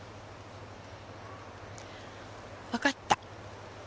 わかった。